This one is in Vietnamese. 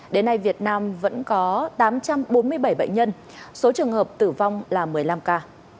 đến nay việt nam vẫn có tám trăm bốn mươi bảy bệnh nhân số trường hợp tử vong là một mươi năm ca